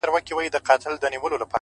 • له پاپیو نه مي شرنګ د ګونګرو واخیست ,